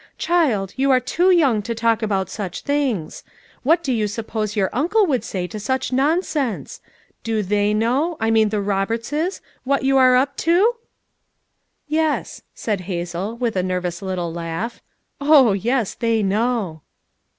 Child, you aro too young to talk about snob things! What do you suppose your uncle would say to such nonsense? Do they know — T mean the Roberts's — what you aro up to?" 380 FOUE MOTHERS AT CHAUTAUQUA "Yes," said Hazel with a nervous little laugh, "oh, yes, they know."